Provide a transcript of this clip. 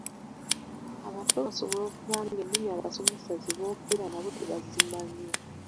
Abato basobola okuba ng'ennimi abasomesa ze boogera nabo tebazimanyi.